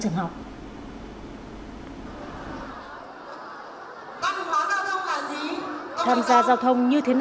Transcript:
đây là những kỹ năng cần thiết về an toàn giao thông ngay từ trong trường học